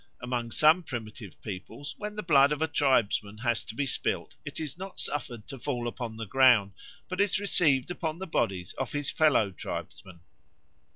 Among some primitive peoples, when the blood of a tribesman has to be spilt it is not suffered to fall upon the ground, but is received upon the bodies of his fellow tribesmen.